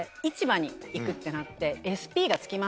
ってなって。